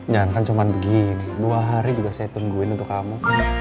jangankan cuma begini dua hari juga saya tungguin untuk kamu